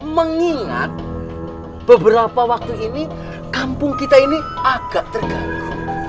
mengingat beberapa waktu ini kampung kita ini agak terganggu